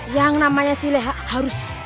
yang namanya si leha harus